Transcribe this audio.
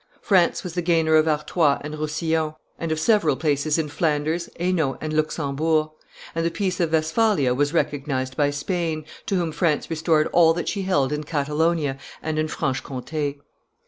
France was the gainer of Artois and Roussillon, and of several places in Flanders, Hainault, and Luxembourg; and the peace of Westphalia was recognized by Spain, to whom France restored all that she held in Catalonia and in Franche Comte.